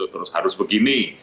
terus harus begini